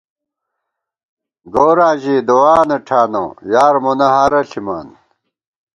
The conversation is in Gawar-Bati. گوراں ژِی دُعانہ ٹھانہ ، یار مونہ ہارہ ݪِمان